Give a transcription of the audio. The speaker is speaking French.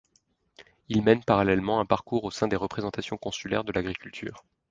Il mène parallèlement un parcours au sein des représentations consulaires de l'agriculture.